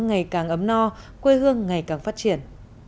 ngày càng ấm no quê hương ngày càng phát triển